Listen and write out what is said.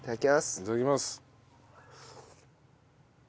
いただきます。